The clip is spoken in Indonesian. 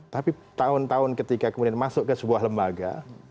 tapi tahun tahun ketika kemudian masuk ke sebuah lembaga